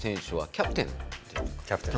キャプテンです。